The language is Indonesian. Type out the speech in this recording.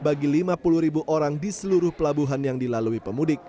bagi lima puluh ribu orang di seluruh pelabuhan yang dilalui pemudik